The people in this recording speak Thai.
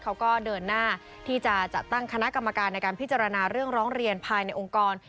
เขาก็เดินหน้าที่จะจัดตั้งคณะกรรมการในการพิจารณาเรื่องร้องเรียนภายในองค์กร